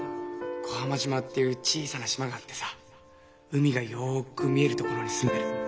小浜島っていう小さな島があってさ海がよく見える所に住んでる。